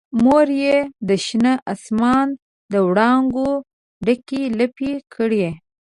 مور یې د شنه اسمان دوړانګو ډکې لپې کړي